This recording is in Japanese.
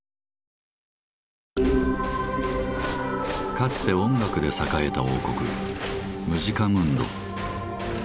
かつて音楽で栄えた王国「ムジカムンド」。